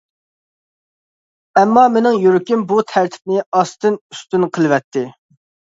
ئەمما مېنىڭ يۈرىكىم بۇ تەرتىپنى ئاستىن-ئۈستۈن قىلىۋەتتى.